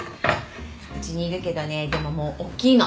うちにいるけどねでももうおっきいの。